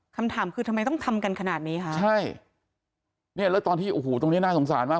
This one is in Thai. คำถามคือทำไมต้องทำกันขนาดนี้คะใช่เนี่ยแล้วตอนที่โอ้โหตรงเนี้ยน่าสงสารมาก